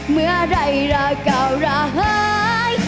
เมื่อไหร่รักเก่าระเฮ้ย